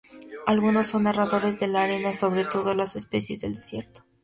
Algunos son nadadores de la arena, sobre todo las especies del desierto.